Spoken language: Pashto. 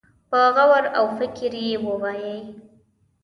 په غور او فکر يې ووايي.